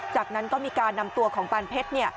จากนั้นก็มีการนำตัวของปานเพชร